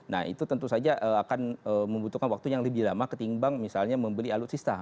nah itu tentu saja akan membutuhkan waktu yang lebih lama ketimbang misalnya membeli alutsista